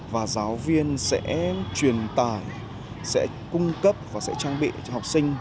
và giáo viên sẽ truyền tải sẽ cung cấp và sẽ trang bị cho học sinh